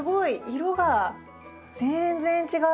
色が全然違う。